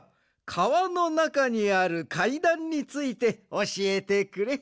かわのなかにあるかいだんについておしえてくれ。